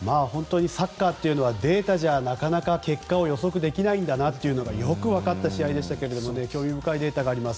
サッカーというのはデータじゃ、なかなか結果を予測できないというのがよく分かった試合でしたが興味深いデータがあります。